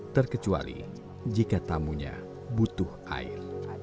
terkecuali jika tamunya butuh air